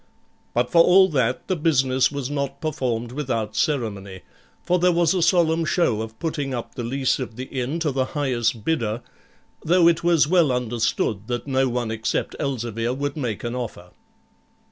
But for all that, the business was not performed without ceremony, for there was a solemn show of putting up the lease of the inn to the highest bidder, though it was well understood that no one except Elzevir would make an offer.